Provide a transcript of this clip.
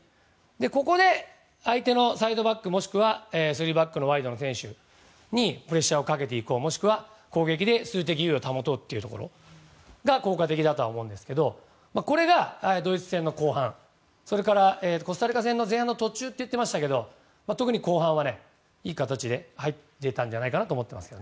ここで、相手のサイドバックもしくは３バックのワイドの選手にプレッシャーをかけていこうもしくは攻撃で数的優位を保とうというところが効果的だと思うんですけどこれがドイツ戦の後半あとはコスタリカ戦の前半の途中といっていましたが特に後半はいい形で入ってたんじゃないかと思ってます。